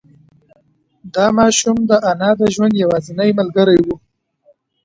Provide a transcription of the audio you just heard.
دا ماشوم د انا د ژوند یوازینۍ ملګری و.